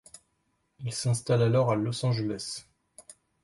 Il s'installe alors à Los Angeles.